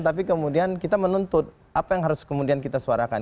tapi kemudian kita menuntut apa yang harus kemudian kita suarakan